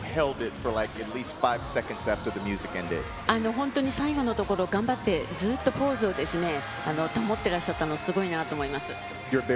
本当に最後のところ、頑張って、ずっとポーズをですね、保ってらっしゃったの、すごいなと思います。